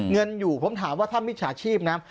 เงินอยู่ผมถามว่าถ้ามิจฉาชีพนะ